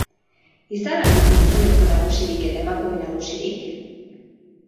Izan al duzu gizonezko nagusirik eta emakume nagusirik?